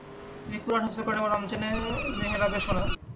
তিনি কুরআন হেফজ করেন এবং রমজানে মেহরাবে শােনান।